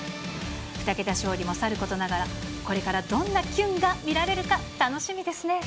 ２桁勝利もさることながら、これからどんなキュンが見られるか、楽しみですね。